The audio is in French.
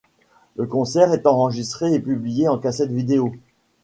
Le concert est enregistré et publié en cassette vidéo.